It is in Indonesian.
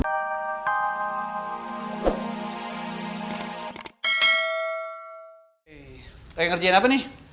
kau ingin ngerjain apa nih